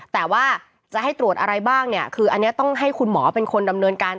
แต่ว่าจะให้ตรวจอะไรบ้างเนี่ยคืออันนี้ต้องให้คุณหมอเป็นคนดำเนินการ